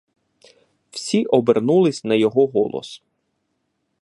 Всі обернулись на його голос.